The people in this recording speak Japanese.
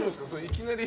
いきなり。